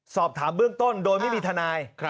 สอบถามเบื้องต้นโดยไม่มีทนาย